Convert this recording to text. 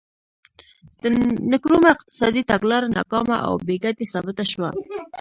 د نکرومه اقتصادي تګلاره ناکامه او بې ګټې ثابته شوه.